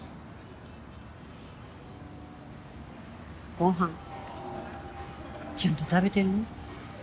ご飯ちゃんと食べてるの？